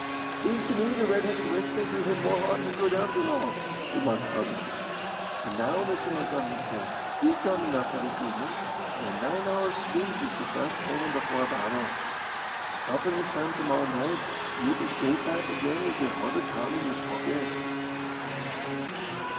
"Seems to me t' red headed wench may do him more harm than good, after all," remarked the publican. "And now, Mr. Montgomery, sir, you've done enough for this evenin', an' a nine hours' sleep is the best trainin' before a battle. Happen this time to morrow night you'll be safe back again with your 100 pound in your pocket."